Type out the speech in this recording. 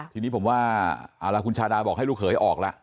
ทีนี้ผมว่าเอาละคุณชาดาบอกให้ลูกเขยออกแล้ว